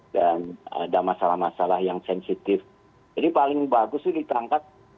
dan ada masalah masalah yang sensitif jadi paling bagus ditangkap